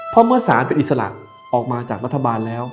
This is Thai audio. เพราะเมื่อสารเป็นอิสระออกมาจากรัฐบาลแล้ว